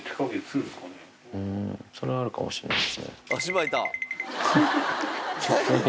それはあるかもしんないですね。